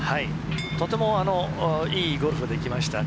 とてもいいゴルフができました。